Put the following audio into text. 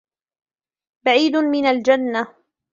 بَعِيدٌ مِنْ الْجَنَّةِ